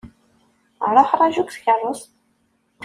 Ṛuḥ ṛaju deg tkeṛṛust.